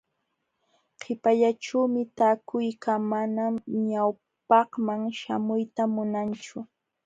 Qipallaćhuumi taakuykan, manam ñawpaqman śhamuyta munanchu.